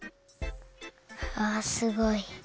あすごい。